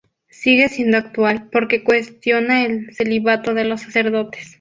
Sigue siendo actual porque cuestiona el celibato de los sacerdotes.